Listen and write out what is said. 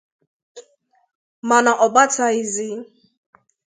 mana ọ batàghịzị.